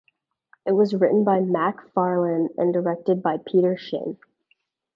It was written by MacFarlane and directed by Peter Shin.